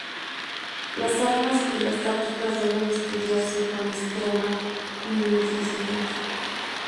Las armas y las tácticas deben estudiarse con extrema minuciosidad.